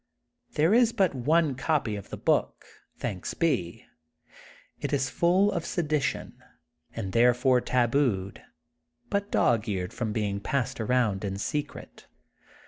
There is but one copy of the book, ''thanks be." It is full of sedition, and therefore ta booed, but dog eared from being much passed around in secret.